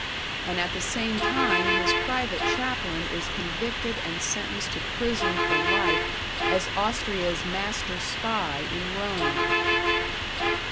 And at the same time his private chaplain is convicted and sentenced to prison for life as Austria's Master Spy in Rome!